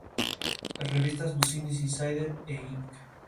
Las revistas "Business Insider" e "Inc.